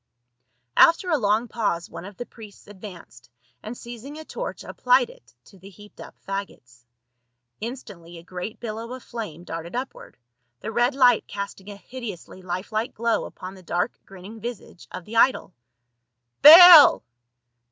After a long pause one of the priests advanced and seizing a torch applied it to the heaped up faggots ; in stantly a great billow of flame darted upward, the red light casting a hideously life like glow upon the dark grinning visage of the idol. " Baal